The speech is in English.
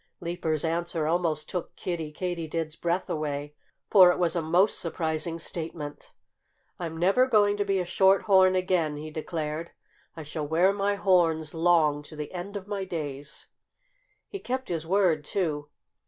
Leaper's answer almost took Kiddie Katydid's breath away, for it was a most surprising statement. "I'm never going to be a Short horn again!" he declared. "I shall wear my horns long to the end of my days." He kept his word, too.